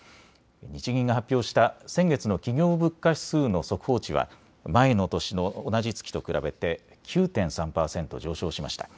日銀が発表した先月の企業物価指数の速報値は前の年の同じ月と比べて９．３％上昇しました。